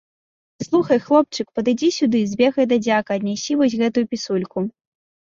Слухай, хлопчык, падыдзі сюды, збегай да дзяка, аднясі вось гэту пісульку.